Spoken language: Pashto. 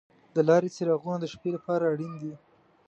د لارې څراغونه د شپې لپاره اړین دي.